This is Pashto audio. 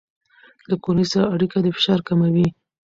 له کورنۍ سره اړیکه د فشار کموي.